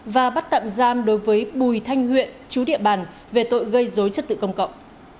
và bắt tạm giam đối với bùi thanh huyện chú địa bàn về tội gây dối chất tự công cộng